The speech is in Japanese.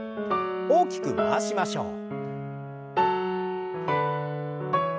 大きく回しましょう。